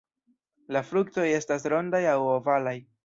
La fruktoj estas rondaj aŭ ovalaj.